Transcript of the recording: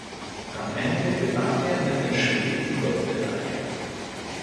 Am Ende gewann er mit den Schweden die Goldmedaille.